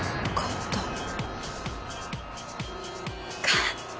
勝った。